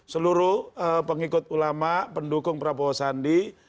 seluruh pengikut ulama pendukung prabowo sandi